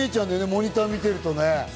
モニター見てるとね。